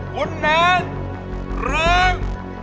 คุณแนนเริ่ม